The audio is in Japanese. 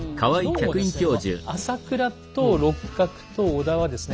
この朝倉と六角と織田はですね